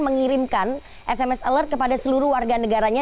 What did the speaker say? mengirimkan sms alert kepada seluruh warga negaranya